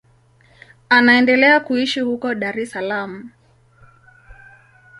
Anaendelea kuishi huko Dar es Salaam.